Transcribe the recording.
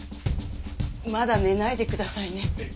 まだ寝ないでくださいね。